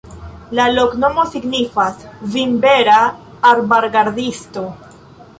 La loknomo signifas: vinbera-arbargardisto.